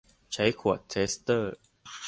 ใช้ขวดเทสเตอร์